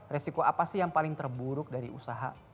resiko apa sih yang paling terburuk dari usaha